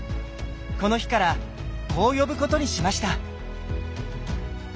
この日からこう呼ぶことにしました。